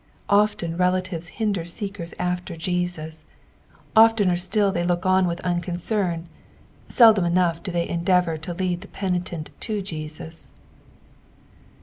Often relatives hinder seekera after Jesus, ofteuer still they look on with unconcern, seldom enoogh do they endeavour to lead the penitent to Jesus.